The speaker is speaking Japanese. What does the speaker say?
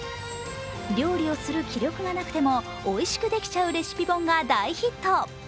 料理をする気力がなくてもおいしくできちゃうレシピ本が大ヒット。